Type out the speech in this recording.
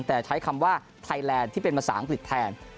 แต่ใช้คำว่าไทยแลนด์ที่เป็นภาษาอังกฤษแทน